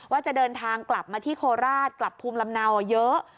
ว่าจะเดินทางกลับมาที่โคราชกลับภูมิลำเนาเยอะ